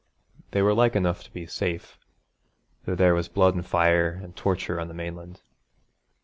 They were like enough to be safe, though there was blood and fire and torture on the mainland.